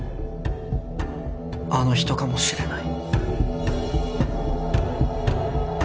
あの人かもしれない。